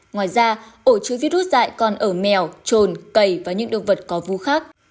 ngoài ra ổ chứa virus dại còn ở mèo trồn cầy và những động vật có vú khác